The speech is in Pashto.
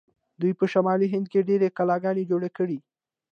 دوی په شمالي هند کې ډیرې کلاګانې جوړې کړې.